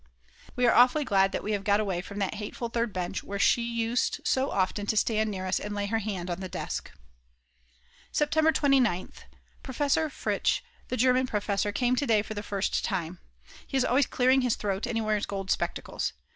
We are awfully glad that we have got away from that hateful third bench where she used so often to stand near us and lay her hand on the desk. September 29th. Professor Fritsch, the German professor, came to day for the first time. He is always clearing his throat and he wears gold spectacles.